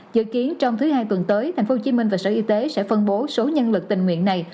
dự kiến trong thứ hai tuần tới tp hcm và sở y tế sẽ phân bố số nhân lực tình nguyện này